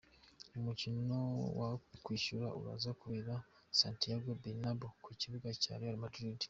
Umukino wo kwishyura uraza kubera Santiago Bernabeo ku kibuga cya real Madrid.